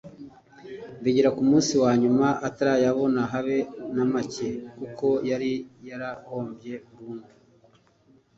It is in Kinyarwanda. bigera ku munsi wa nyuma atarayabona habe na makeya kuko yari yarahombye burundu